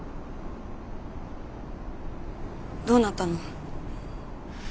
どうなったの？